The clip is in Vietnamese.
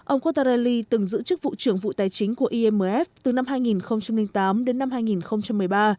ông kuttarely từng giữ chức vụ trưởng vụ tài chính của imf từ năm hai nghìn tám đến năm hai nghìn một mươi ba